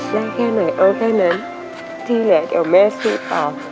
ได้แค่ไหนเอาแค่นั้นที่เหลือเดี๋ยวแม่สู้ต่อ